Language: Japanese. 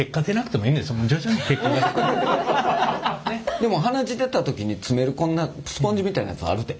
でも鼻血出た時に詰めるこんなスポンジみたいなやつあるで。